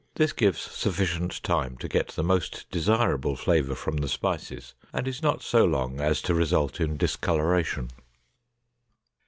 This gives sufficient time to get the most desirable flavor from the spices and is not so long as to result in discoloration.